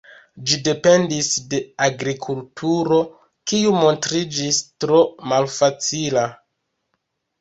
Ĝi dependis de agrikulturo, kiu montriĝis tro malfacila.